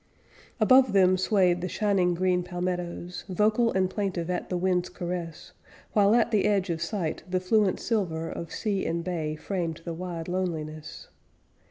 Above them swayed the shining green palmettoes Vocal and plaintive at the winds' caress; While, at the edge of sight, the fluent silver Of sea and bay framed the wide loneliness.